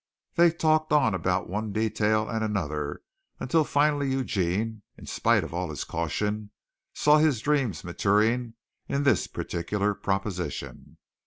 They talked on about one detail and another until finally Eugene, in spite of all his caution, saw his dreams maturing in this particular proposition.